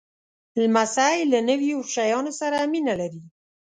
لمسی له نویو شیانو سره مینه لري.